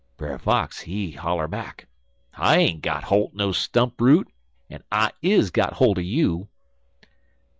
"Brer Fox he holler back: "'I ain't got holt er no stump root, en I is got holt er you.'